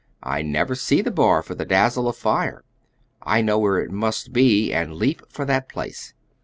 "I never see the bar for the dazzle of fire. I know where it must be, and leap for that place.